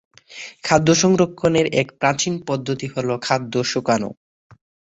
খাদ্য সংরক্ষনের এক প্রাচীন পদ্ধতি হল খাদ্য শুকানো।